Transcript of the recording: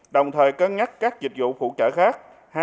đồng thời cân nhắc các dịch vụ phụ trợ khác